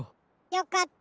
よかった。